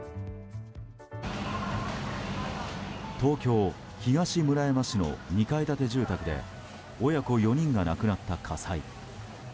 東京・東村山市の２階建て住宅で親子４人が亡くなった火災。